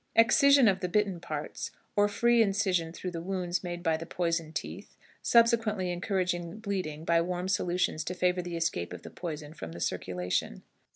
2. Excision of the bitten parts, or free incision through the wounds made by the poison teeth, subsequently encouraging the bleeding by warm solutions to favor the escape of the poison from the circulation.